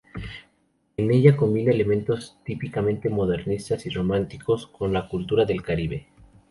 En ella combina elementos típicamente modernistas y románticos con la cultura del Caribe.